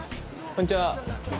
こんにちは。